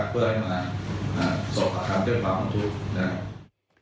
เพื่อให้มาส่งความเจ้มขวางของทุกข์